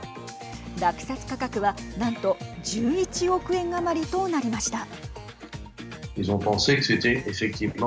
落札価格は、なんと１１億円余りとなりました。